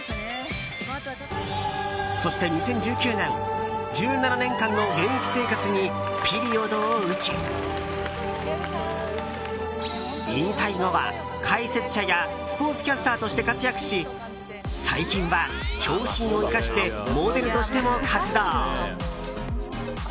そして２０１９年１７年間の現役生活にピリオドを打ち引退後は、解説者やスポーツキャスターとして活躍し最近は長身を生かしてモデルとしても活動。